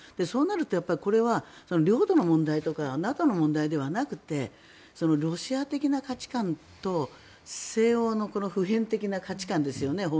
そうなると、これは領土の問題とか中の問題ではなくてロシア的な価値観と西欧の普遍的な価値観ですよね